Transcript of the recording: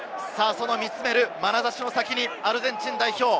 見つめるまなざしの先にアルゼンチン代表。